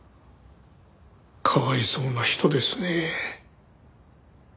かわいそうな人ですね。